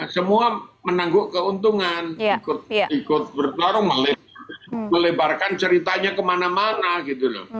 semua menangguk keuntungan ikut bertarung melebarkan ceritanya kemana mana gitu loh